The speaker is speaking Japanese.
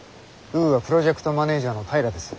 ウーア・プロジェクトマネージャーの平です。